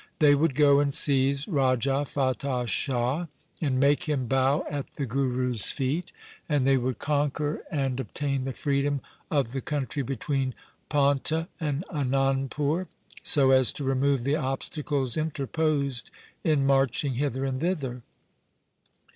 They would go and seize Raja Fatah Shah, and make him bow at the Guru's feet. And they would conquer and obtain the freedom of the country between Paunta and Anandpur, so as to remove the obstacles inter posed in marching hither and thither.